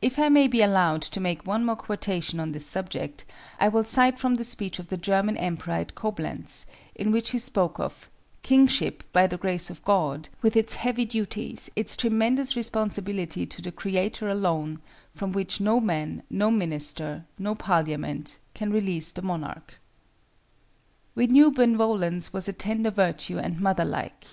If I may be allowed to make one more quotation on this subject, I will cite from the speech of the German Emperor at Coblenz, in which he spoke of "Kingship, by the grace of God, with its heavy duties, its tremendous responsibility to the Creator alone, from which no man, no minister, no parliament, can release the monarch." We knew Benevolence was a tender virtue and mother like.